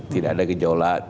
tidak ada gejolak